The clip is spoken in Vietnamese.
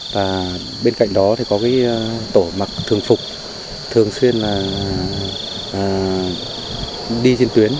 và bên cạnh đó có tổ mặc thường phục thường xuyên đi trên tuyến